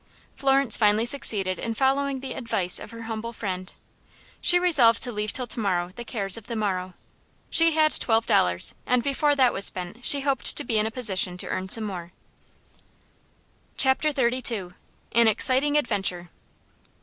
Florence finally succeeded in following the advice of her humble friend. She resolved to leave till the morrow the cares of the morrow. She had twelve dollars, and before that was spent she hoped to be in a position to earn some more. Chapter XXXII. An Exciting Adventure.